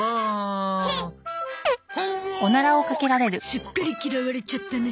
すっかり嫌われちゃったね。